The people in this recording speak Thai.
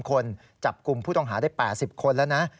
คนจับกลุ่มผู้ต้องหาได้๘๐คนแล้วนะ